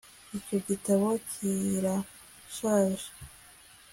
icyo gitabo kirashaje